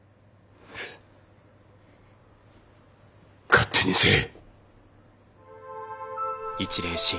勝手にせえ。